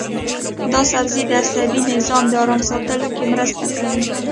دا سبزی د عصبي نظام د ارام ساتلو کې مرسته کوي.